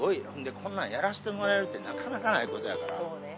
こんな、やらせてもらえるって、なかなかないことやから。